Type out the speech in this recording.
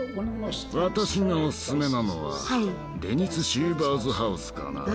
私がおススメなのはデニス・シーバーズ・ハウスかな。